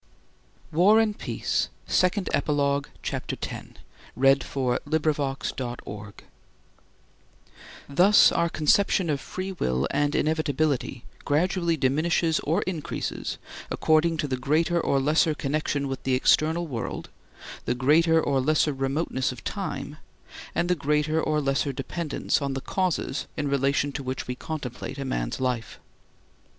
lesser understanding of the causes that led to the action. CHAPTER X Thus our conception of free will and inevitability gradually diminishes or increases according to the greater or lesser connection with the external world, the greater or lesser remoteness of time, and the greater or lesser dependence on the causes in relation to which we contemplate a man's life.